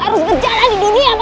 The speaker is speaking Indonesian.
harus berjalan di dunia